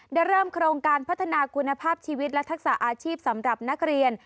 ได้เริ่มโครงการพัฒนาคุณภาพชีวิตและทักษะอาชีพสำหรับนักเรียน